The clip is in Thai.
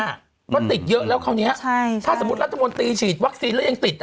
ก็ติดเยอะแล้วคราวนี้ใช่ถ้าสมมุติรัฐมนตรีฉีดวัคซีนแล้วยังติดอ่ะ